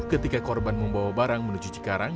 ketika korban membawa barang menuju cikarang